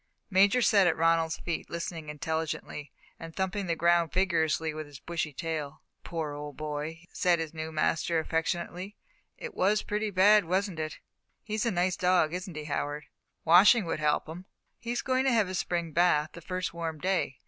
Major sat at Ronald's feet, listening intelligently, and thumping the ground vigorously with his bushy tail. "Poor old boy," said his new master, affectionately; "it was pretty bad, wasn't it? He's a nice dog, isn't he, Howard?" "Washing would help him." "He's going to have his Spring bath the first warm day.